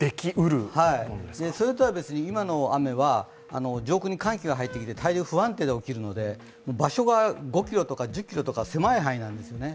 それとは別に今の雨は上空に寒気が入ってきて対流が不安定で起きるので場所が５ｋｍとか１０ｋｍとか狭い範囲なんですね。